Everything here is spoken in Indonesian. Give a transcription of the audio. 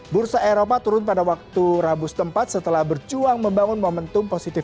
bursa eropa turun pada waktu rabu setempat setelah berjuang membangun momentum positif